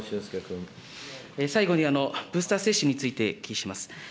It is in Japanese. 最後に、ブースター接種についてお聞きします。